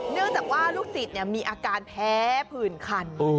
เนื่องจากว่าลูกศิษย์มีอาการแพ้ผื่นคัน